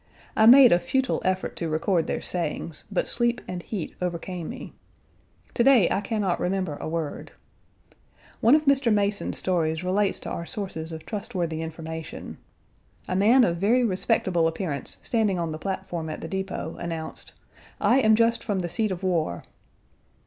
I made a futile effort to record their sayings, but sleep and heat overcame me. To day I can not remember a word. One of Mr. Mason's stories relates to our sources of trustworthy information. A man of very respectable appearance standing on the platform at the depot, announced, "I am just from the seat of war."